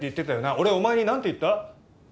俺お前に何て言った？